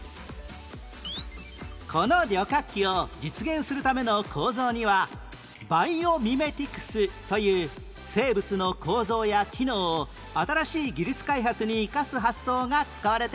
この旅客機を実現するための構造にはバイオミメティクスという生物の構造や機能を新しい技術開発に生かす発想が使われています